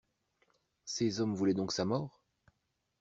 Ces hommes voulaient donc sa mort!